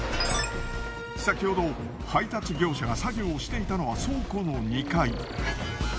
先ほど配達業者が作業をしていたのは倉庫の２階。